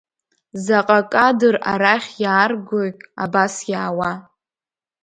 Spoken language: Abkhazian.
Заҟа кадр арахь иааргои абас иаауа?